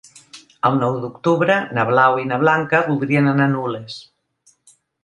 El nou d'octubre na Blau i na Blanca voldrien anar a Nules.